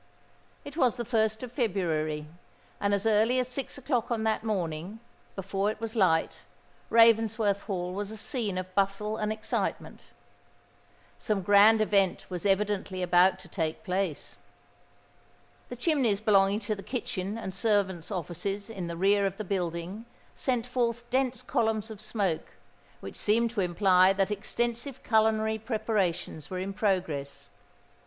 It was the 1st of February; and as early as six o'clock on that morning—before it was light—Ravensworth Hall was a scene of bustle and excitement. Some grand event was evidently about to take place. The chimneys belonging to the kitchen and servants' offices in the rear of the building, sent forth dense columns of smoke, which seemed to imply that extensive culinary preparations were in progress.